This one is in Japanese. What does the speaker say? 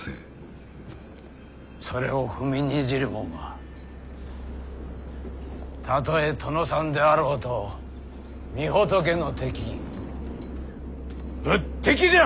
それを踏みにじるもんはたとえ殿さんであろうと御仏の敵仏敵じゃ！